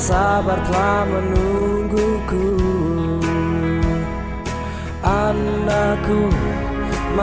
ku bertemu dengan cinta